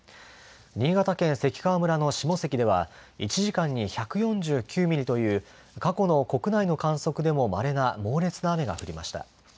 新潟県関川村の下関では１時間に１４９ミリという過去の国内の観測でもまれな猛烈な雨が降りました。